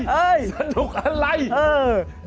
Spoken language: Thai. เฮ่ยเสนียยสนุกอะไรเออ